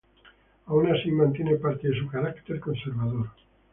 Aun así, mantiene parte de su carácter conservador.